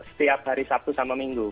setiap hari sabtu sama minggu